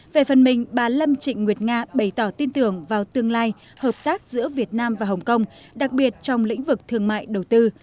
về phần mình bà lâm trịnh nguyệt nga bày tỏ tin tưởng vào tương lai hợp tác giữa việt nam và hồng kông đặc biệt trong lĩnh vực thương mại đầu tư